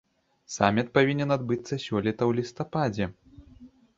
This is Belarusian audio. Саміт павінен адбыцца сёлета ў лістападзе.